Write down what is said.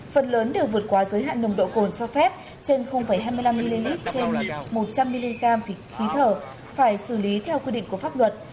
phần lớn đều vượt qua giới hạn nồng độ cồn cho phép trên hai mươi năm ml trên một trăm linh mg vịt khí thở phải xử lý theo quy định của pháp luật